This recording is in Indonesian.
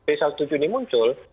dari misalnya satu orang akan muncul